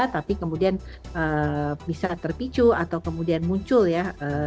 tapi kemudian bisa terpicu atau kemudian muncul ya